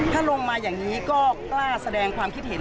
ถ้าลงมาอย่างนี้ก็กล้าแสดงความคิดเห็น